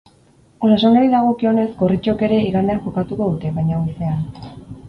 Osasunari dagokionez, gorritxoek ere igandean jokatuko dute, baina goizean.